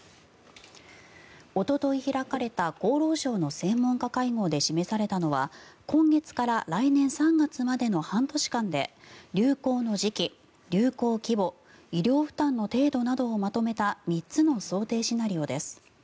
おととい開かれた厚労省の専門家会合で示されたのは今月から来年３月までの半年間で流行の時期流行規模、医療負担の程度などをまとめた３つの想定シナリオです。